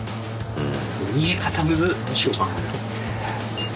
うん。